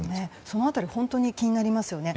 その辺り本当に気になりますよね。